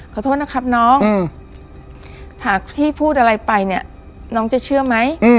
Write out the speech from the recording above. ขอโทษนะครับน้องถ้าพี่พูดอะไรไปเนี่ยน้องจะเชื่อไหม